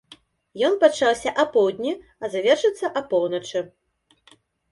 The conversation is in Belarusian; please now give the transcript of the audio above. Ён пачаўся апоўдні, а завершыцца апоўначы.